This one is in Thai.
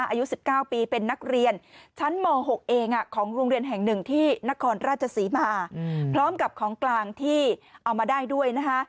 อายุ๑๙ปีเป็นนักเรียนชั้นม๖เองของโรงเรียนแห่งหนึ่งที่นครราชศรีมาพร้อมกับของกลางที่เอามาได้ด้วยนะคะ